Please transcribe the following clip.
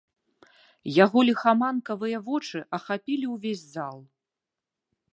Яго ліхаманкавыя вочы ахапілі ўвесь зал.